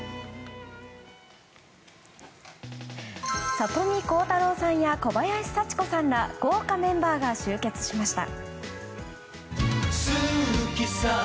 里見浩太朗さんや小林幸子さんら豪華メンバーが集結しました。